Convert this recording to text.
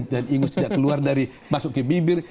dan ingus tidak keluar dari masuk ke bibir